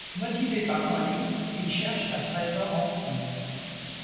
Motivés par Holly, ils cherchent un trésor enfoui.